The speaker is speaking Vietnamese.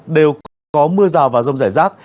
đều có mưa rào và rông giải rác